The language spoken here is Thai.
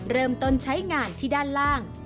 เริ่มต้นใช้งานที่ด้านล่าง